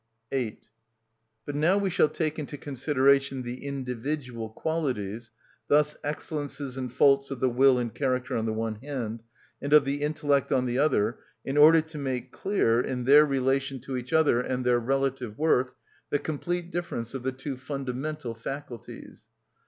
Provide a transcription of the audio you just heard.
8. But now we shall take into consideration the individual qualities, thus excellences and faults of the will and character on the one hand, and of the intellect on the other, in order to make clear, in their relation to each other, and their relative worth, the complete difference of the two fundamental faculties.